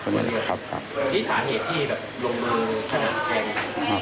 นี่สาเหตุที่ลงมือขนาดนี้